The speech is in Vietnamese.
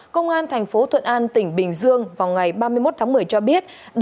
công an thành phố thuận an tỉnh bình dương vào ngày ba mươi một tháng một mươi cho biết